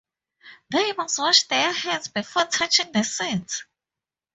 They must wash their hands before touching the seeds.